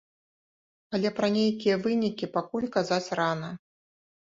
Але пра нейкія вынікі пакуль казаць рана.